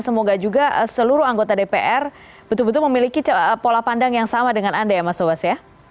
semoga juga seluruh anggota dpr betul betul memiliki pola pandang yang sama dengan anda ya mas tobas ya